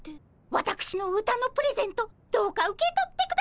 わたくしの歌のプレゼントどうか受け取ってくださいませ。